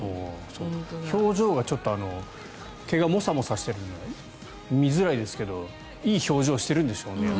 表情がちょっと毛がモサモサしているので見づらいですけどいい表情してるんでしょうね。